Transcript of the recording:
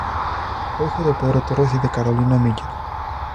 Fue hijo de Pedro Torres y de Carolina Millet.